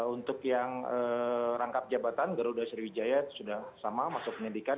untuk yang rangkap jabatan garuda sriwijaya sudah sama masuk penyidikan